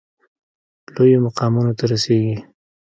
لویو مقامونو ته رسیږي.